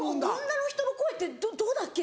女の人の声ってどうだっけ？